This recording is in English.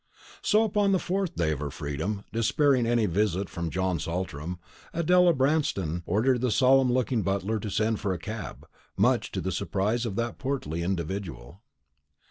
So, upon the fourth day of her freedom, despairing of any visit from John Saltram, Adela Branston ordered the solemn looking butler to send for a cab, much to the surprise of that portly individual.